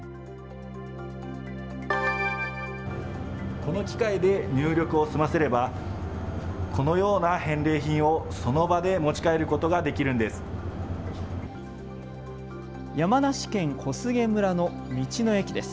この機械で入力を済ませればこのような返礼品を、その場で持ち帰ることができるんです。